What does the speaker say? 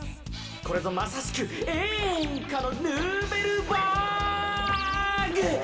これぞまさしくえんかのヌーベルバーグ！